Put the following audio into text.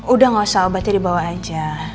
udah gak usah obatnya dibawa aja